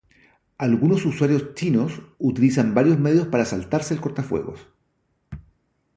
Algunos usuarios chinos utilizan varios medios para "saltarse" el cortafuegos.